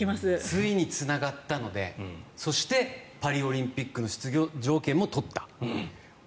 ついにつながったのでそしてパリオリンピックの出場権も取った。